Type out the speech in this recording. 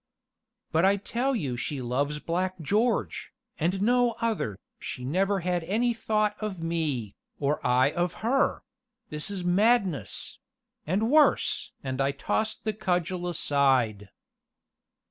"But I tell you she loves Black George, and no other she never had any thought of me, or I of her this is madness and worse!" and I tossed the cudgel aside.